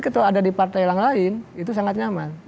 ketua ada di partai yang lain itu sangat nyaman